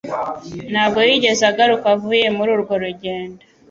Ntabwo yigeze agaruka avuye muri urwo rugendo.